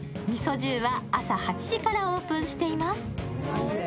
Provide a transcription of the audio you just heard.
ＭＩＳＯＪＹＵは朝８時からオープンしています。